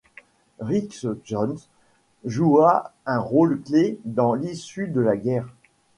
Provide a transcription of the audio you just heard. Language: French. Rick Jones joua un rôle clé dans l'issue de la guerre.